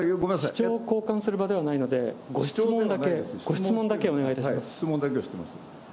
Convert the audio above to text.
主張を公開する場ではないので、ご質問だけ、ご質問だけお願質問だけをしています。